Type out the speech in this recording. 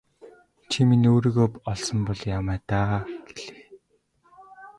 Чи минь өөрийгөө олсон бол яамай даа гэлээ.